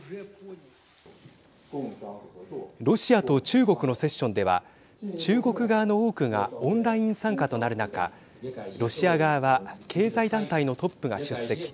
ロシアと中国のセッションでは中国側の多くがオンライン参加となる中ロシア側は経済団体のトップが出席。